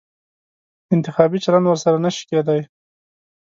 انتخابي چلند ورسره نه شي کېدای.